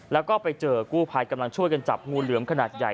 แล้วก็ไปเจอกู้ภัยกำลังช่วยกันจับงูเหลือมขนาดใหญ่